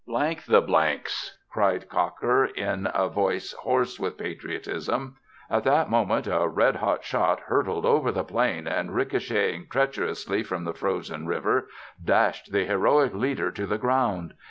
" the s," cried Cocker in a voice hoarse with patriotism; at that moment a red hot shot hurtled over the plain and, ricocheting treacherously from the frozen river, dashed the heroic leader to the ground.